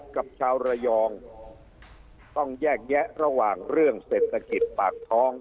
กับชาวระยองต้องแยกแยะระหว่างเรื่องเศรษฐกิจปากท้อง